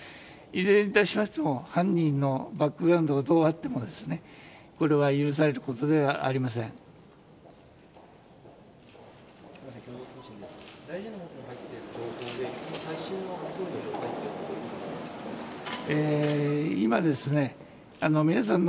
いずれに致しましても犯人のバックグラウンドがどうあっても許されることではありません。